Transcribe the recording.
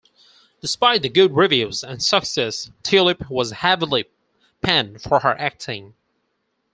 Despite the good reviews and success, Tulip was heavily panned for her acting.